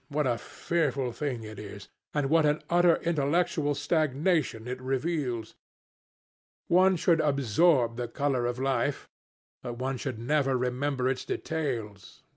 What a fearful thing it is! And what an utter intellectual stagnation it reveals! One should absorb the colour of life, but one should never remember its details.